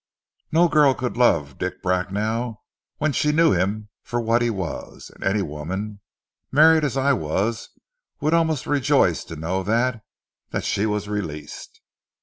No girl could love Dick Bracknell when she knew him for what he was, and any woman, married as I was, would almost rejoice to know that that she was released."